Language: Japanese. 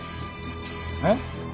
えっ？